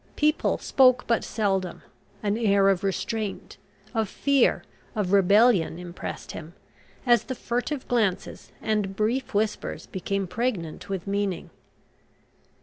People spoke but seldom; an air of restraint, of fear, of rebellion impressed him, as the furtive glances and brief whispers became pregnant with meaning.